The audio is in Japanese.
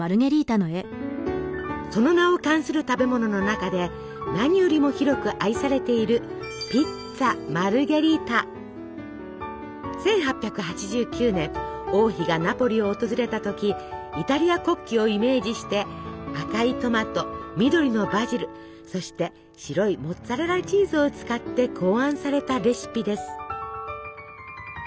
その名を冠する食べものの中で何よりも広く愛されている１８８９年王妃がナポリを訪れた時イタリア国旗をイメージして赤いトマト緑のバジルそして白いモッツァレラチーズを使って考案されたレシピです。